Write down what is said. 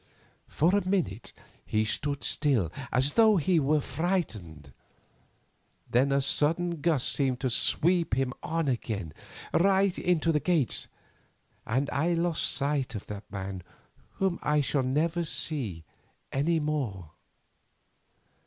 For a minute he stood still, as though he were frightened. Then a sudden gust seemed to sweep him on again, right into the Gates, and I lost sight of that man whom I shall never see any more.